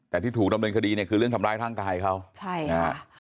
แต่ที่ถูกดำเนินคดีเนี่ยคือเรื่องทำร้ายร่างกายเขาใช่นะฮะ